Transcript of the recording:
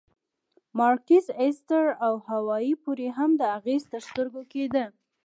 مارکیز، ایستر او هاوایي پورې هم دا اغېز تر سترګو کېده.